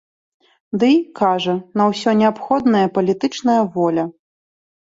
Дый, кажа, на ўсё неабходная палітычная воля.